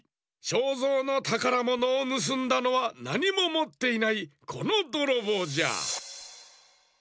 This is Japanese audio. ショーゾーのたからものをぬすんだのはなにももっていないこのどろぼうじゃ。